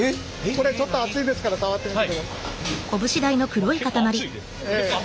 これちょっと熱いですから触ってみてください。